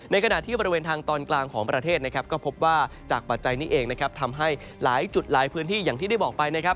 ขณะที่บริเวณทางตอนกลางของประเทศนะครับก็พบว่าจากปัจจัยนี้เองนะครับทำให้หลายจุดหลายพื้นที่อย่างที่ได้บอกไปนะครับ